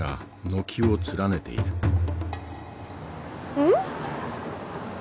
うん？